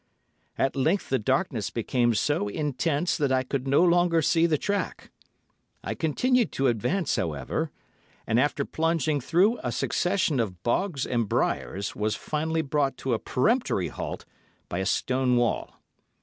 At length the darkness became so intense that I could no longer see the track. I continued to advance, however, and after plunging through a succession of bogs and briars was finally brought to a peremptory halt by a stone wall.